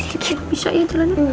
masih sedikit bisa ya jelana